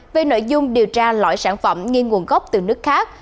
về nội dung điều tra lõi sản phẩm nghiên nguồn gốc từ nước khác